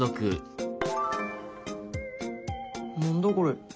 何だこれ？